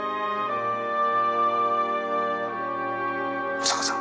保坂さん